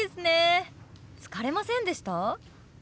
疲れませんでした？